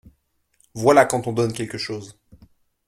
Voilà quand on donne quelque chose.